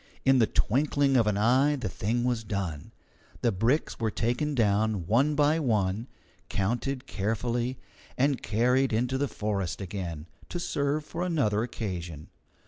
In the twinkling of an eye the thing was done. The bricks were taken down one by one, counted carefully, and carried into the forest again, to serve for another occasion.